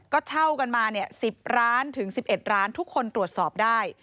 ก็เช่ากันมา๑๐๑๑ร้านทุกคนตรวจสอบได้